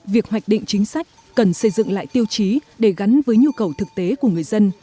việc hoạch định chính sách cần xây dựng lại tiêu chí để gắn với nhu cầu thực tế của người dân